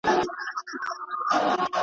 عمرونه وسول په تیارو کي دي رواني جرګې!